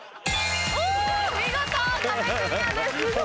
見事壁クリアです。